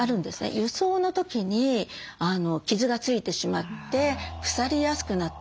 輸送の時に傷が付いてしまって腐りやすくなってしまう。